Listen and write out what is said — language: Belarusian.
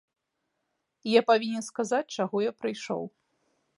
Я павінен сказаць, чаго я прыйшоў.